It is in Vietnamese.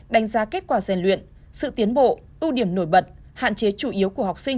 đánh giá kết quả rèn luyện sự tiến bộ ưu điểm nổi bật hạn chế chủ yếu của học sinh